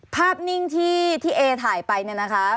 นิ่งที่เอถ่ายไปเนี่ยนะคะ